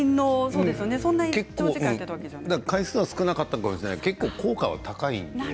回数は少なかったかもしれないけど、結構、効果が高いのかな？